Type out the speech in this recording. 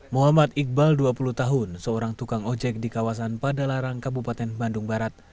muhammad iqbal dua puluh tahun seorang tukang ojek di kawasan padalarang kabupaten bandung barat